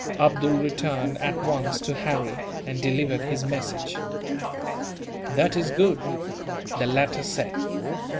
Abdool returned at once to Harry, and delivered his message. "That is good," the latter said.